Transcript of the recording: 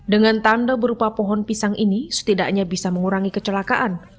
dengan tanda berupa pohon pisang ini setidaknya bisa mengurangi kecelakaan